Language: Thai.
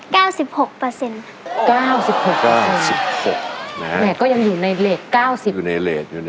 เก้าสิบหกเปอร์เซ็นต์แหละก็ยังอยู่ในเลสเก้าสิบอยู่ในเลสอยู่ในเลส